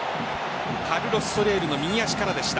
カルロス・ソレールの右足からでした。